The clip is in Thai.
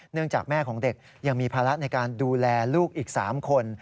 จากแม่ของเด็กยังมีภาระในการดูแลลูกอีก๓คน